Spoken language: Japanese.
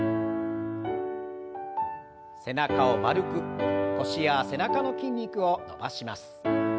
背中を丸く腰や背中の筋肉を伸ばします。